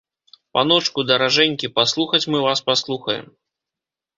Паночку, даражэнькі, паслухаць мы вас паслухаем.